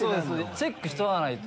チェックしとかないと。